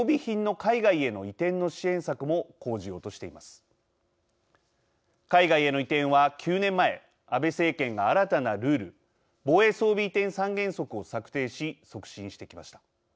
海外への移転は、９年前安倍政権が新たなルール防衛装備移転三原則を策定し促進してきました。